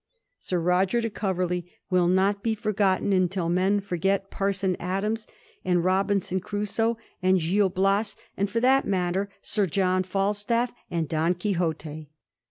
Sir Roger de Coverley wiU not be forgotten until men forget Parson Adams, and Robinson Crusoe, and GU Bias, and for that matter Sir John Falstaff and Don Quixote.